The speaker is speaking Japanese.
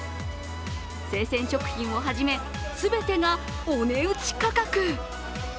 生鮮食品をはじめ、全てがお値打ち価格。